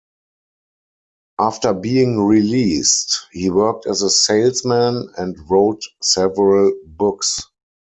After being released, he worked as a salesman and wrote several books.